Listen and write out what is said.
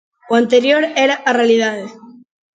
O anterior era a realidade.